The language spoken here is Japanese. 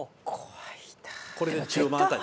これで１０番辺り。